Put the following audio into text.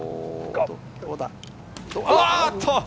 ああっと！